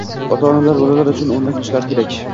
Ota-ona bola uchun o‘rnak bo‘lishlari kerak.